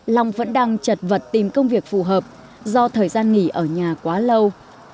long vẫn đang chật vật tìm công việc phù hợp do thời gian nghỉ ở nhà quá lâu